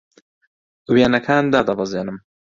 وێنەکان دادەبەزێنم.